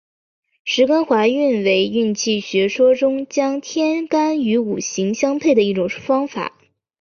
十干化运为运气学说中将天干与五行相配的一种方法。